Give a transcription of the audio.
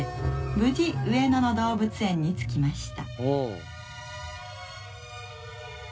無事上野の動物園に着きました。